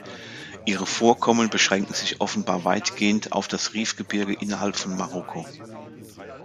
Ihre Vorkommen beschränken sich offenbar weitgehend auf das Rifgebirge innerhalb von Marokko.